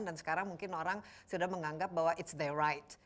dan sekarang mungkin orang sudah menganggap bahwa it's their right